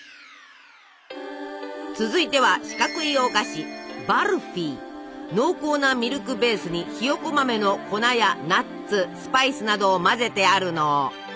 続いては四角いお菓子濃厚なミルクベースにひよこ豆の粉やナッツスパイスなどを混ぜてあるの。